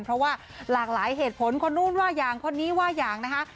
เพราะว่าหลากหลายเหตุผลคนนู้นว่าอย่างคนนี้ว่าอย่างนะคะ